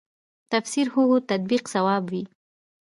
تفسیر هو هو تطبیق صواب وي.